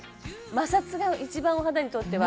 「摩擦が一番お肌にとっては」